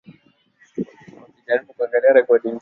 Polisi alipigwa risasi akafariki